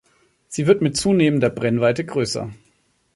Sie wird mit zunehmender Brennweite größer.